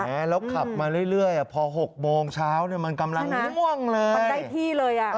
แล้วขับมาเรื่อยพอ๖โมงเช้าเนี่ยมันกำลังง่วงเลยมันได้ที่เลยอ่ะ